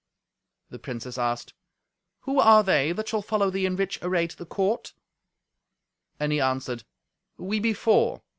The princess asked, "Who are they that shall follow thee in rich array to the court?" And he answered, "We be four.